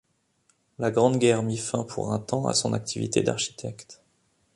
La Grande Guerre mit fin pour un temps à son activité d’architecte.